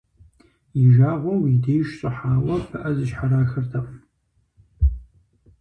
И жагъуэгъу и деж щӀыхьауэ пыӀэ зыщхьэрахыртэкъым.